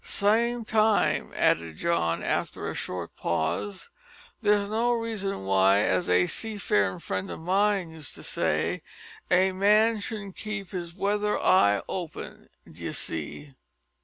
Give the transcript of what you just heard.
Same time," added John after a short pause, "that's no reason why, as a sea farin' friend o' mine used to say, a man shouldn't keep his weather eye open, d'ye see?"